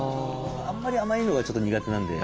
あんまり甘いのがちょっと苦手なんで。